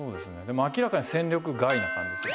でも明らかに戦力外な感じですね